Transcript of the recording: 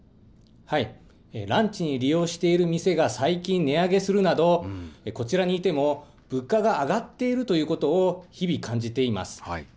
ランチに利用している店が最近値上げするなど、こちらにいても物価が上がっているということを日々感じています。